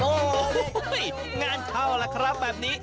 โอ้โหงานเข้าล่ะครับแบบนี้